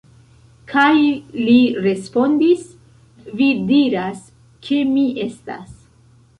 Kaj li respondis: Vi diras, ke mi estas.